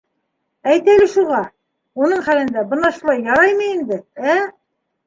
Әйт әле шуға... уның хәлендә... бына шулай яраймы инде, ә?